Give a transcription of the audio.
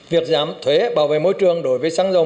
việc giảm thuế bảo vệ môi trường đối với xăng dầu